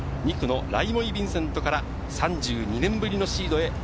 ２区のライモイ・ヴィンセントから３２年ぶりのシードへ。